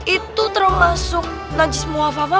itu termasuk najis mukhofafah